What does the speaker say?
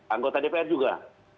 anggota dpr juga